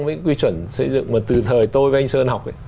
với quy chuẩn xây dựng mà từ thời tôi với anh sơn học